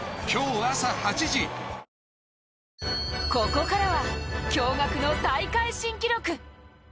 ここからは、驚がくの大会新記録。